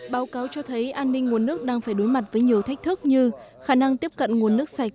báo cáo cho thấy an ninh nguồn nước đang phải đối mặt với nhiều thách thức như khả năng tiếp cận nguồn nước sạch